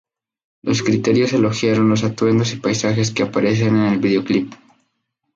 Los críticos elogiaron los atuendos y paisajes que aparecen en el videoclip.